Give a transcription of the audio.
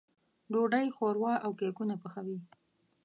ډوډۍ، ښوروا او کيکونه پخوي.